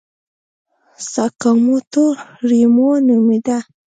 ساکاموتو ریوما نومېده.